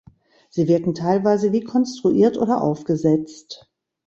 Sie wirken teilweise wie konstruiert oder aufgesetzt.